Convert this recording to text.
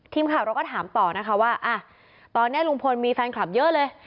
ทีมข่าวเราก็ถามต่อนะคะว่าตอนนี้ลุงพลมีแฟนคลับเยอะเลย